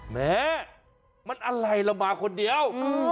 แหมมันอะไรเรามาคนเดียว